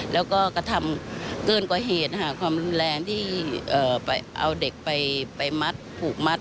แล้วก็กระทำเกินกว่าเหตุความรุนแรงที่ไปเอาเด็กไปมัดผูกมัด